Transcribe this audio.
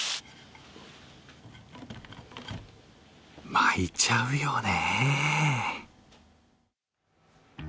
巻いちゃうよね。